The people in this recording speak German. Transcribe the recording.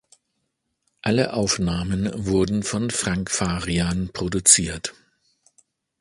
Alle Aufnahmen wurden von Frank Farian produziert.